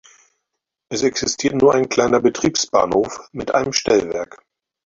Es existiert nur ein kleiner Betriebsbahnhof mit einem Stellwerk.